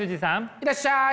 いらっしゃい！